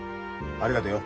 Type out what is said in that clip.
ありがとよ